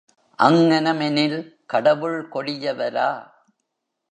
அங்ஙனமெனில், கடவுள் கொடியவரா?